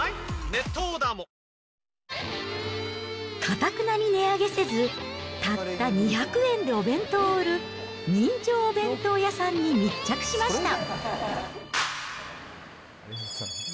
かたくなに値上げせず、たった２００円でお弁当を売る人情お弁当屋さんに密着しました。